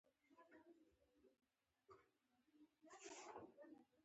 شکل د اسرائیلو کرنسي ده چې سل ډالره درې سوه پنځوس شکله کېږي.